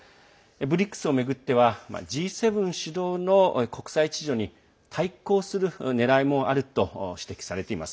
ＢＲＩＣＳを巡ってはＧ７主導の国際秩序に対抗するねらいもあると指摘されています。